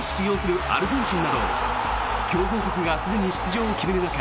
擁するアルゼンチンなど強豪国がすでに出場を決める